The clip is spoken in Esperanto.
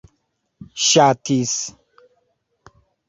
ŝatis